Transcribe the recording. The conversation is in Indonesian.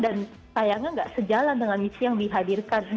sayangnya nggak sejalan dengan misi yang dihadirkan